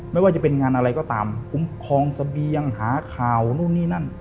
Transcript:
ไม่ว่าจะเป็นงานอะไรก็ตามคุ้มครองเสบียงหาข่าวนู่นนี่นั่น